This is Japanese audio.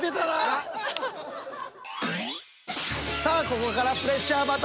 さあここからプレッシャー